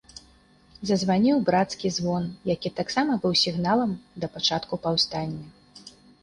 Зазваніў брацкі звон, які таксама быў сігналам да пачатку паўстання.